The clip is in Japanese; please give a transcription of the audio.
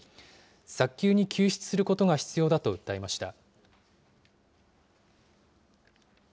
早急に救出することが必要だと訴えました。